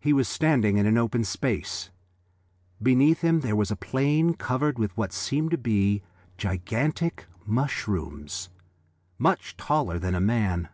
He was standing in an open space; beneath him there was a plain covered with what seemed to be gigantic mushrooms, much taller than a man.